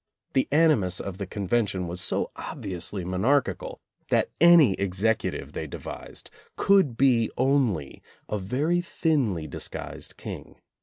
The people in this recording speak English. The animus of the Conven tion was so obviously monarchical that any exec utive they devised could be only a very thinly dis guised king.